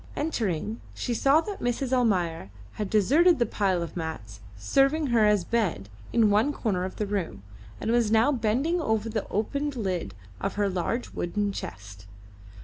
Entering, she saw that Mrs. Almayer had deserted the pile of mats serving her as bed in one corner of the room, and was now bending over the opened lid of her large wooden chest.